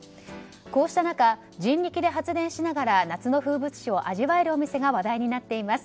こうした中、人力で発電しながら夏の風物詩を味わえるお店が話題になっています。